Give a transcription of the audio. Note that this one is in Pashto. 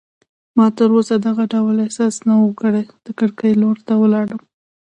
ما تراوسه دغه ډول احساس نه و کړی، د کړکۍ لور ته ولاړم.